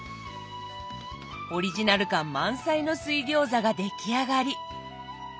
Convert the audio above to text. オリジナル感満載の水餃子が出来上がり。